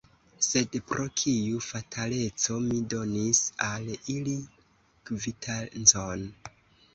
Sed pro kiu fataleco mi donis al ili kvitancon?